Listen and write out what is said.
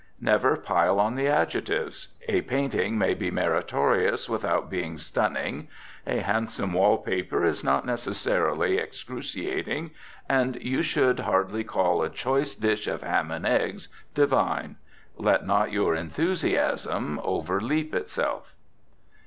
Never pile on the adjectives. A painting may be meritorious without being "stunning;" a handsome wall paper is not necessarily "excruciating;" and you should hardly call a choice dish of ham and eggs "divine." Let not your enthusiasm overleap itself.